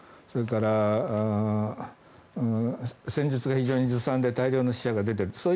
それから戦術が非常にずさんで大量の死者が出ていると。